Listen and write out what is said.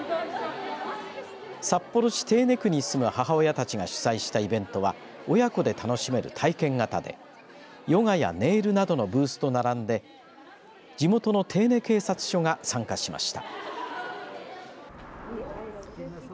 札幌市手稲区に住む母親たちが主催したイベントは親子で楽しめる体験型でヨガやネイルなどのブースと並んで地元の手稲警察署が参加しました。